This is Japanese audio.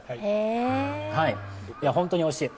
本当においしい。